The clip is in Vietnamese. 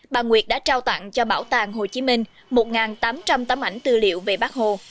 bà nguyệt đã trao tặng cho bảo tàng hồ chí minh một tám trăm linh tấm ảnh tư liệu về bác hồ